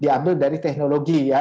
diambil dari teknologi ya